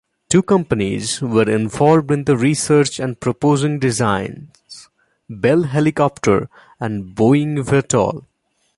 Two companies were involved in the research and proposing designs: Bell Helicopter and Boeing-Vertol.